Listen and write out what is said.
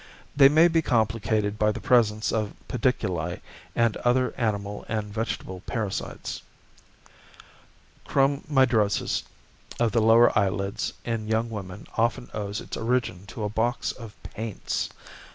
They may be complicated by the presence of pediculi and other animal and vegetable parasites. Chromidrosis of the lower eyelids in young women often owes its origin to a box of paints.